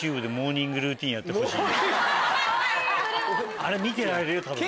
あれ見てられるよたぶん。